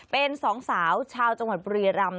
เป็นสองสาวชาวจังหวัดบุรีรำ